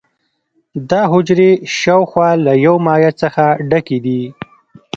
دا حجرې شاوخوا له یو مایع څخه ډکې دي.